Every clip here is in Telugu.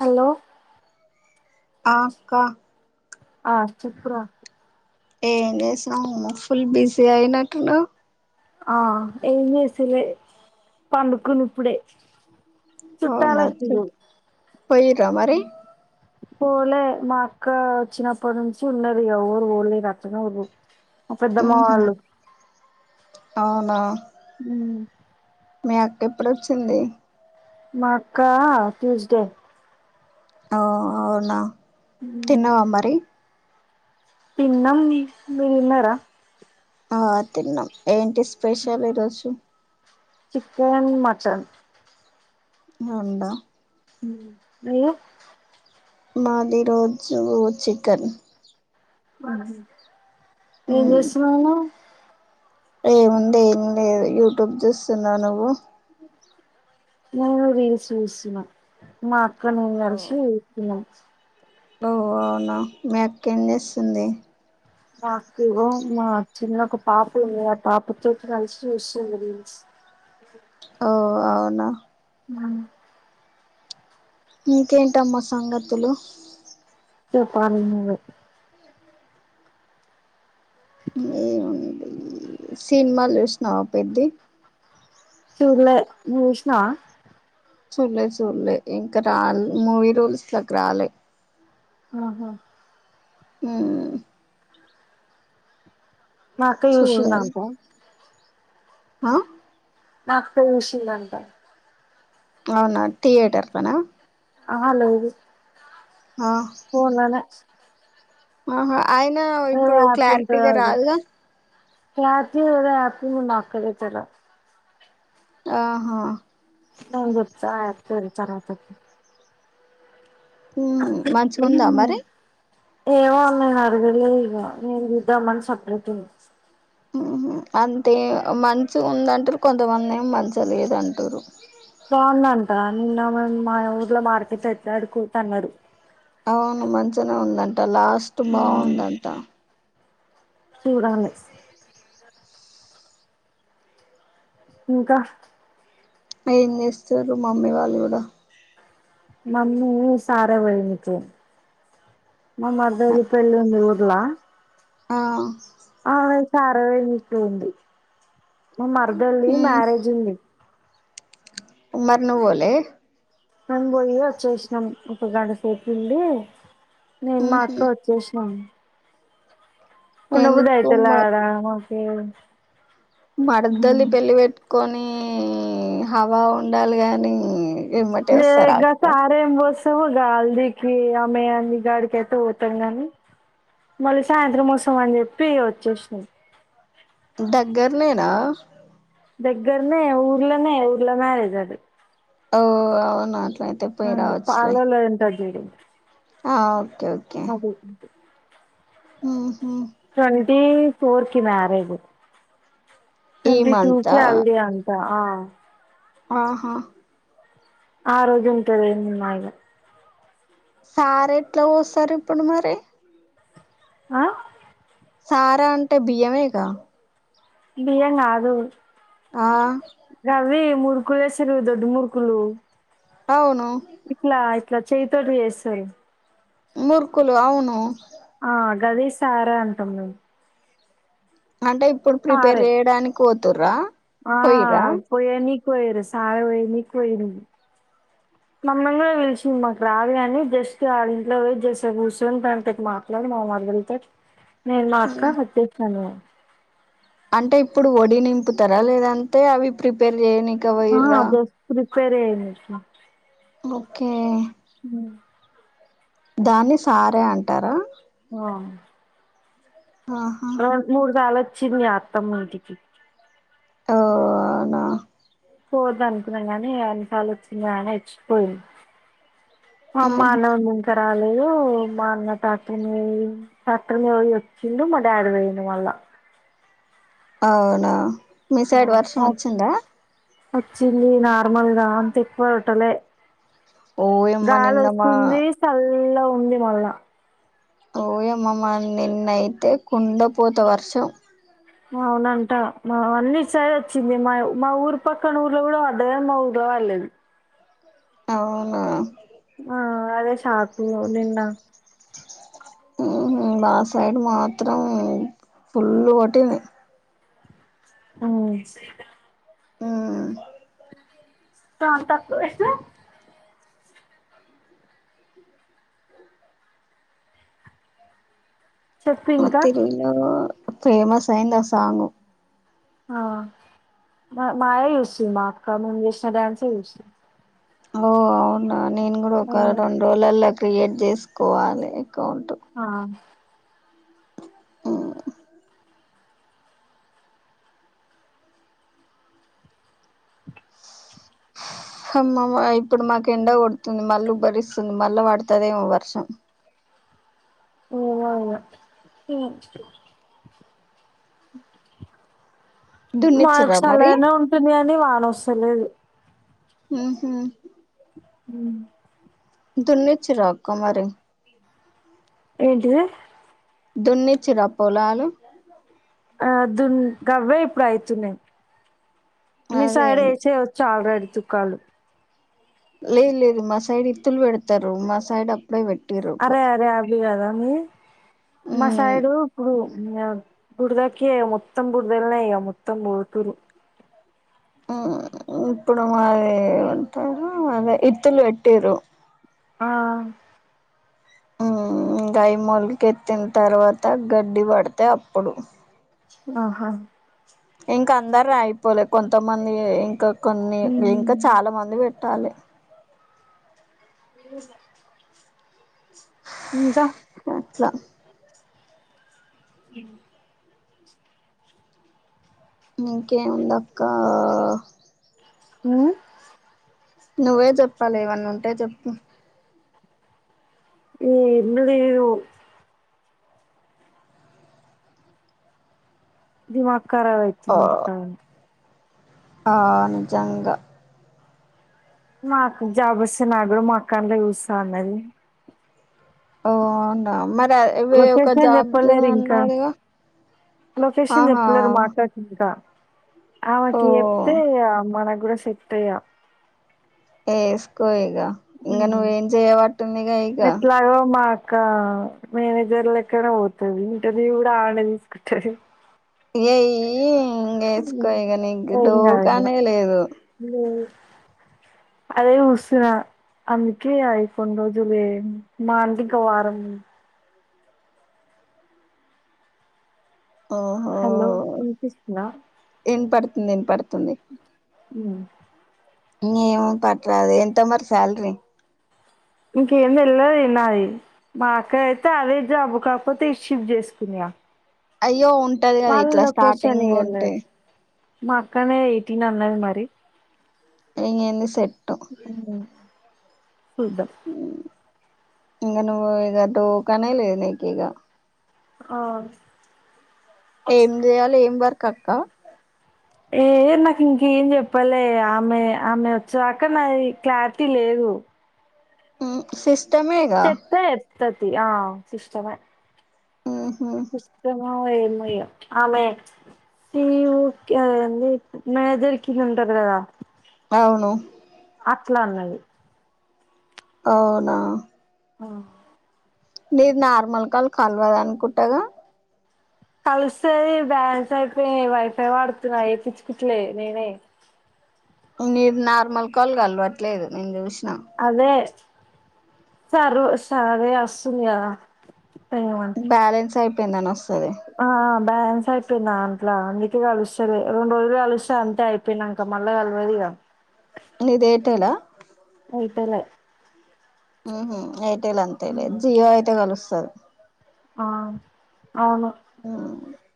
హలో ఆ అక్క ఆ చెప్పురా ఏం చేస్తున్నావ్ ఫుల్ బిజీ అయినట్టున్నావ్ ఆ ఏం చేస్తలే పండుకున్న ఇప్పుడే అవునా చుట్టాలొచ్చిరు పోయిరా మరి పోలే మా అక్క వచ్చినప్పటి నుంచి ఉన్నది ఇగ ఊరు పోలే అట్టనే ఉంది మా పెద్దమ్మ ఉహు వాళ్ళు అవునా మ్మ్ మీ అక్క ఎప్పుడొచ్చింది మా అక్క ట్యూస్డే ఓ అవునా తిన్నవా మరి తిన్నాం మీరు తిన్నార ఆ తిన్నాం ఏంటి స్పెషల్ ఈరోజు చికెన్ మటన్ హ్మ్ ఉండు మ్మ్ ఏ మాది రోజు చికెన్ ఏం ఉమ్ చేస్సున్నావ్ నువ్వు ఏముంది ఏం లేదు యూట్యూబ్ చూస్తున్నా నువ్వు నేను రీల్స్ చూస్తున్నా మా అక్క నేను కలిసి చూస్తున్నా ఓ అవునా మీ అక్క ఏం చేస్తుంది నాకు మా చిన్న ఒక పాప ఉంది ఆ పాపతో కలిసి చేస్తుంది రీల్స్ ఓ అవునా మ్మ్ ఇంకేంటమ్మా సంగతులు చెప్పాలి నువ్వే ఏముంది సినిమాలు చూసినవా పెద్ది చూళ్ళే నువ్వు చూసినవా చూడలేదు చూలే ఇంకా రా మూవీ రూల్స్ లోకి రాలే ఆహా ఉమ్. మా అక్క చూడాలి జూషిందనుకో. ఆ. నా అక్క జుషిదంట. అవునా థియేటరల్లా నా. ఆ లేదు. ఆ ఫోన్ళ్ల ల్యాష్. ఆహా ఆయన ఏదో ఇప్పుడు, యాప్ ఉంటది క్లారిటీగా అది రాదుగా. [unintelligible] ఆహా. ఇత్త అని జెప్తా అత్తరు చర్వాత. ఉమ్ మంచిగుందా, మరి. ఏమో నేన్ అరగలే ఇక మేము జెద్దామని సప్రెట్ంది. ఉహు అంతే మంచి ఉందంటారు కొంతమంది, ఏం మంచిగా లేదుంటారు. బాగుందంట నిన్న మాన్ మన ఊర్లో మార్కెట్లో ఎట్లాడుకుంట అన్నారు. అవును మంచినే ఉందంట, లాస్ట్ బాగుందంట. చూడసలే స్. ఇంకా. ఏం జెస్తుర్రు మామ్మీ వాళ్ళు గుడా. మమ్మీ సారే ఓయ్యానికి. మా మరదది పెళ్ళి ఉంది ఊర్లా. ఆ. ఆమె సారే వొయినట్టు ఉంది మా మరదల్దీ మ్మ్ మ్యారేజి ఉంది. మరి నువ్వు వోలె. మనం బోయి వచ్చేసినాం ఒక గంట సేపూండి. నేను మా ఉహు. అక్క వొచ్చేసీనం. ఎందుకు ఉండబుద్దాయల ఆడ మొఫెది. మర్దలి పెళ్లి వెట్టుకొనీ, హవా ఉండాలి గానీ. ఏ గ సారేం బోస్. తో గా అల్దికి అమె అనంది గడికి ఎట్టు పోతందని. మళ్ళీ సాయంత్రం వొస్తాం అని చెప్పి వచ్చేసిన. దగ్గరనేనా. దగ్గరనే ఊర్లనే ఊర్ల మ్యారేజ్ అది. ఓ అవును అట్లయితే ఆ పోయి రావచ్చులే. పాలలో ఉంటది చూడు ఆ ఓకే ఓకే. అది ఊహు. ట్వంటీ ఫోర్ కి మ్యారేజు. ఈ ట్వంట టూ మంతా కీ అల్దీ అంట ఆ. ఆహా. ఆ రోజు ఉంటారు నిమా ఇగా. సార్ ఎట్లా వొస్తారు ఇప్పుడు మరి. ఆ. సారా అంటే బియ్యమేకా. బియ్య గాదు ఆ గవ్వి. మూడుకులేసింర్రు దొడ్డు మూడుకులు. అవును. ఇట్లా చేయితోటి యేస్తాయి. మురుకులు అవును. ఆ గది సారా అంటాం మేము. అంటే ఇప్పుడు ప్రిపేర్ సారే జెయడానికి పోతుర్రా ఆ పోయిర్రా పొయనీకి పొయురు సార పొయి నీకి పొయిరు పాహింది మమ్మల్ని గుడ పిలిషింది మాకు రాదుగాని జస్ట్ వాల్ ఇంట్లో బొయి వెయిట్ చేస కూసోని తన తోటి మాట్లాడి మామా నేను మాఅక్క వచ్చేచ్చను అంటే ఇప్పుడు వడి నింపుతర లేదంటే అవి ప్రిపేర్ చేయని ఆ జస్ ప్రిపేర్ చైనికి ఓకే హ్మ్ దాన్ని సార అంటారా ఆ ఆహా మూడు సాలొచ్చింది అత్తమ్మింటికి ఓ అవునా పోవద్దు అనుకున్నాం గానీ అన్నిసార్లు వచ్చిండా అని ఎచ్చ్కుపొయిన్ అమ్మా నువింకరా మా అన్న టట్టిర్న్ బొయ్ టట్టిర్న్ బొయ్ వచ్చిండు మా డాడీ బొయిండు మళ్ళ అవునా మీ సైడ్ వర్షం వచ్చిందా వచ్చింది నార్మల్గా అంత ఎక్కువ బెటలే ఓయమ్మ నిన్న మా గాలొస్తుంది సల్లగుంది మళ్ళా ఓయమ్మ మ నిన్నయితే కుండ పోత వర్షం అవునంట మా అన్ని సైడ్ వచ్చింది మా మా ఊరు పక్కన ఊర్లో కూడా అధేందండి పోవలెదు అవునా ఆ అదే షాపీవో నిన్న మా సైడ్ మాత్రం ఫుల్లు కొటింది మ్మ్ మ్మ్ శాంతక్ ఏష్నవ్ చెప్పు ఇంకా వతిరుల్లవ ఫేమస్ అయిందా సాంగ్ ఆ మాయా జూస్తుండాక్క మేమ్ జేష్ణ డ్యాన్స్ చూసి ఓ అవునా నేను గుడా ఒక రొండు రోలల్లో క్రియేట్ చేసుకోవాలి అకౌం ఆ ఇప్పుడు మాకు ఎండ కొడుతుంది మల్ళీ ఉభ్బరిస్తుంది మల్ళా పడుతుదేమో వర్షం [inaudible] ఇ మాకు దున్నిచ్చిరా మరి సల్లగనే ఉంటుంది అని వానొస్తలేదు ఊహు ఉ దున్నచ్చ్ రాకు మరి ఏంటిది దున్నిచ్చిర పొలాలు ఆ దున్ గవ్వే ఇప్పుడయితున్నయి మీ అదే సైడ్ వేసై వచ్చు ఆల్రెడ్ తుక్కాలు లేదు లేదు మా సైడ్ ఇత్తులు బెడతరు మా సైడ అరే అరే అబ్లి గదా మీ మా సైడు ఇప్పుడు బుడ్దకి మొత్తం బుడ్దల్నే ఇగ మొత్తం బోతుర్రు ఇప్పుడు మాది అంటారు అదే ఇత్తులు పెట్టిర్రు ఆ ఉ గైమూలుకు ఎత్తిన తర్వాత గడ్డి పడితే అప్పుడు ఆహా ఇంకా అందరది అయిపోలే కొంతమంది ఏ ఇంకా కొన్ని ఇంకా చాలా మంది పెట్టాలి ఇ హింజా అట్లా ఇం ఇంకేం ఉంది అక్క అ నువ్వే చెప్పాలి ఏవన్న ఉంటే చెప్పు ఈ ఎందు లేదు ఇది వక్కరా ఆ అయితుంది కావడి ఆ నిజంగా నాకు జాబ్ వస్తే నాకు కూడా మా అక్క అండ్ల చూస్తా అన్నది ఓ అవునా మరి అవి ఒక లొకేషన్ జాబ్ జేయ చెప్పలేరు ఇంకా అన్నాడుగా లొకేషన్ చెప్పలేరు మా అక్క కు ఇంకా ఓ ఆమెకి చెప్పుతే ఇగ మనకు కూడ సేట్ ఇగ ఏస్కోయిగా ఇంగ నువ్వు ఉమ్ ఏం చేయ వట్టుతుంది గా ఇగ క మేనేజర్ లెక్కనే పోతది ఇంటర్వ్యూ కూడా ఆడే తీసుకుంటది ఏయ్ ఇంగ వేసుకో ఇక నీకు ఏం కాదు డోకానే లేదు ఇగ అదే ఊసిన అందుకే అయి కొన్ని రోజులు జేయని మా అంటే ఇంకా వారం ఆహో హలో వినిపిస్తుందా ఇన్ పడుతుంది ఇన్ పడుతుంది అ ఏమో పట్ రాదు ఎంత మరి సాలరీ ఇంకేం తినలేదు ఈనయి మా అక్క అయితే అదే జాబు కాకపోతే ఇషివ్ చేసుకున్నాయా అయ్యో ఉంటది కదా ఇట్లా స్టార్టింగ్ ఉంటే ఇయ్యలేదు మా అక్కనే ఇటీన్ అన్నది మరి ఇగ ఎంది సెట్ సుద్దమ్ ఇక ను ఇది అటు కానీ లేద నికి ఇగా ఆ ఏం చేయాలి ఏం వర్క్ అక్క ఏ నాకు ఇంకేం చెప్పాలే ఆమె ఆమె వచ్చే దాక నాది క్లారిటీ లేదు బో ఉ సిస్టమ్ ఇగా తతి ఆ సిష్టమే ఆహా ఆ ఏమో ఇగ ఆమె తిని ఉక్ అది ఏంది మే దొరికింది ఉంటారు కదా అవును అట్లా అన్నది అవునా ఆ నీరు నార్మల్ కాల్ కలవదు అనుకుంటాగా కలుస్తాది బ్యాలెన్సు అయిపోయి వైఫై వాడుతున్నా వేపించుకుట్లే నినే మీరు నార్మల్ కాల్ కాలువట్లేదు నేను చూసినా అదే సరు సరే వస్తుంది కదా ఏమన్ బ్యాలెన్స్ అయిపోయిందని వస్తది ఆ బ్యాలెన్స్ అయిపోయిందాంట్ల అందుకే కలుస్తలె. రొండు రోజులు కలిస్తే అంతే అయిపోయినంక. మళ్ళ కల్వదిగ. నీది ఎయిర్టెల్ ఆ ఎయిర్టెలె. మ్హు ఎయిర్టెల్ అంతే లే. జియో అయితే కలుస్తది. ఆ మ్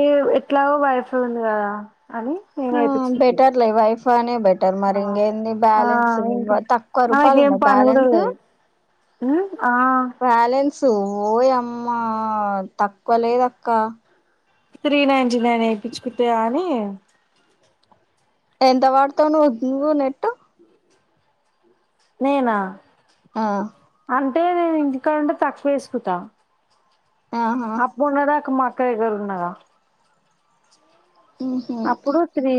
ఏ ఎట్లాగో వైఫై ఉంది కదా! అని నేను ఆ ఏపిచ్చికింటి. బెటర్లే వైఫైనే బెటర్ అ మరి ఇంకేంది ఆ బ్యాలెన్స్ ఇంక తక్కువ రూపాయలు నాకేం ఉన్నది పని కూడా బ్యాలెన్స్ లేదు. మ్ ఆ సోయమ్మ తక్కువలేద్ అక్క. త్రీ నైన్టీ నైన్ ఏపిచ్చుకుంటే కానీ ఎంత వాడుతావ్ నువ్వు జీవో నెట్టు? నేనా ఆ అంటే నేను ఇంటికాడుంటే తక్కువేసుకున్తా. ఆహా అప్పుడున్నదాకా మక్ క్క దగ్గర ఉన్నగా, ఉహు అప్పుడు త్రీ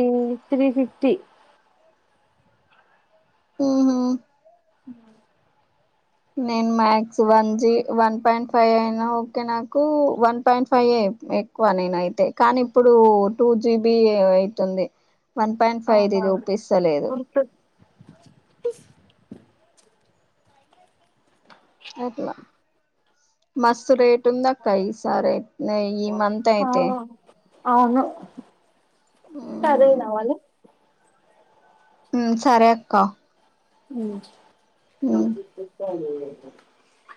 త్రీ ఫిఫ్టీ. ఊన మ్ నేను max one G one point five అయినా ఓకే. నాకు వన్ పాయింట్ ఫైవ్ ఎ ఎక్కువ నేనయితే కానీ ఇప్పుడు టూ జీబి అయితుంది. వన్ పాయింట్ ఫైవ్ది చూపిస్త లేదు. పిస్ అట్లా మస్తు రేట్ ఉందక్క ఈ సారి అయి నే ఈ మంత్ ఆ అయితే. అవును. సరేన మల్లె మ్ సరే అక్క. మ్